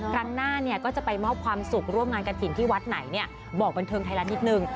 ครั้งหน้าเนี่ยก็จะไปมอบความสุขร่วมงานกระถิ่นที่วัดไหนเนี่ยบอกบันเทิงไทยรัฐนิดนึง